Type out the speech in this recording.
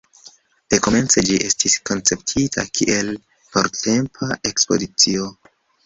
Dekomence ĝi estis konceptita kiel portempa ekspozicio.